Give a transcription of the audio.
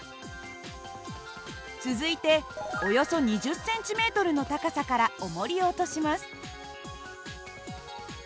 続いておよそ２０ｃｍの高さからおもりを落とします。